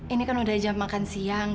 ini kan udah jam makan siang